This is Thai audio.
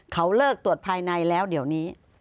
เขาเลิกตรวจภายในแล้วเดี๋ยวนี้